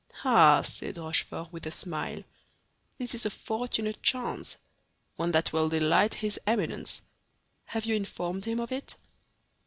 "Ah," said Rochefort, with a smile; "this is a fortunate chance—one that will delight his Eminence! Have you informed him of it?"